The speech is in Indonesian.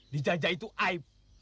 dijajah itu aib